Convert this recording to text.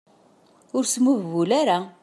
Ur smuhbul ara.